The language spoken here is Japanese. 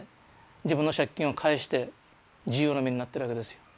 自分の借金を返して自由の身になってるわけですよ。